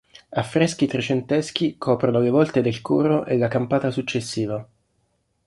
Affreschi trecenteschi coprono le volte del coro e la campata successiva.